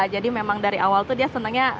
jadi memang dari awal itu dia senangnya